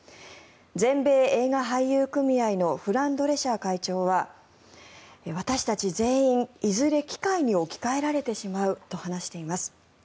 全米映画俳優組合のフラン・ドレシャー会長は私たち全員、いずれ機械に置き換えられてしまうと話しています。